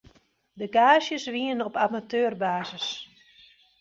De gaazjes wienen op amateurbasis.